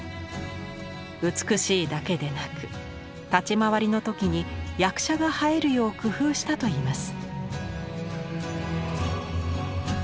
美しいだけでなく立ち回りの時に役者が映えるよう工夫したといいます。